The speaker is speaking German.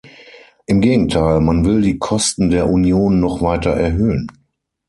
Im Gegenteil, man will die Kosten der Union noch weiter erhöhen.